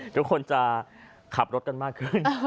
ทุกคนจะขับรถกันมากขึ้น